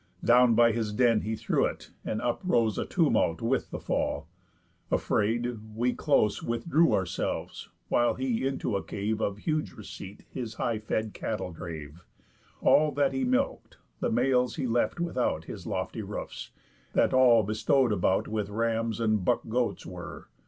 Down by his den he threw it, and up rose A tumult with the fall. Afraid, we close Withdrew ourselves, while he into a cave Of huge receipt his high fed cattle drave, All that he milk'd; the males he left without His lofty roofs, that all bestrow'd about With rams and buck goats were.